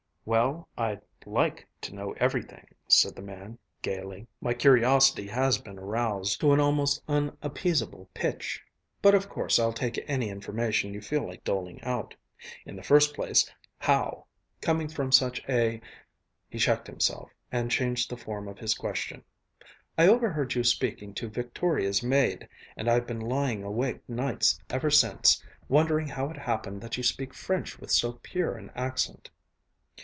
"Well, I'd like to know everything," said the man gaily. "My curiosity has been aroused to an almost unappeasable pitch. But of course I'll take any information you feel like doling out. In the first place, how, coming from such a ..." He checked himself and changed the form of his question: "I overheard you speaking to Victoria's maid, and I've been lying awake nights ever since, wondering how it happened that you speak French with so pure an accent."